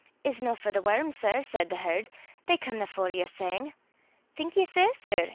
It's no for the worms, sir, said the herd, They comena for yer sang. Think ye sae, sir?